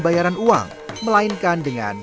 bayaran uang melainkan dengan